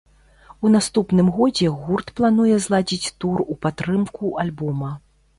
У наступным годзе гурт плануе зладзіць тур у падтрымку альбома.